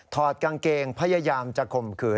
อดกางเกงพยายามจะข่มขืน